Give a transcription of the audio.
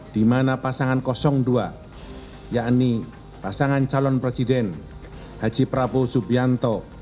di mana pasangan dua yakni pasangan calon presiden haji prabowo subianto